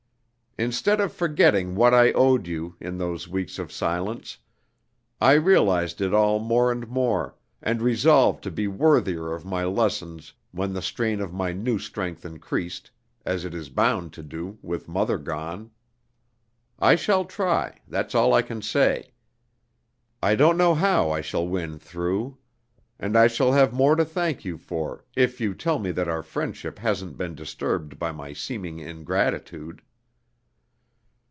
Instead of forgetting what I owed you, in those weeks of silence, I realized it all more and more, and resolved to be worthier of my lessons when the strain on my new strength increased, as it is bound to do, with mother gone. I shall try, that's all I can say. I don't know how I shall win through. And I shall have more to thank you for, if you tell me that our friendship hasn't been disturbed by my seeming ingratitude.